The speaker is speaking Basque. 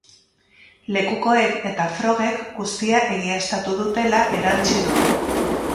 Lekukoek eta frogek guztia egiaztatu dutela erantsi du.